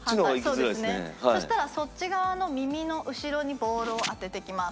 そしたらそっち側の耳の後ろにボールを当てていきます。